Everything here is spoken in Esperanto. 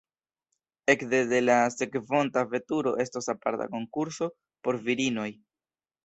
Ekde la sekvonta veturo estos aparta konkurso por virinoj.